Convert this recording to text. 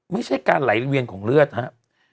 ไม่ใช่การไหลเวียนของเลือดครับ